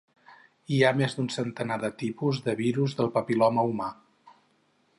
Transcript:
Hi ha més d'un centenar de tipus de virus del papil·loma humà.